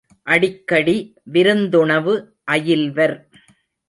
அடிக்கடி விருந்துணவு அயில்வர்.